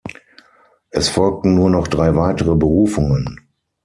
Es folgten nur noch drei weitere Berufungen.